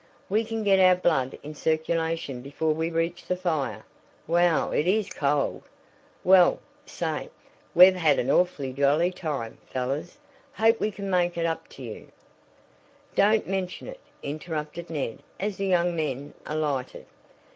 "We can get our blood in circulation before we reach the fire. Whew! it is cold! Well, say, we've had an awfully jolly time, fellows. Hope we can make it up to you " "Don't mention it," interrupted Ned as the young men alighted.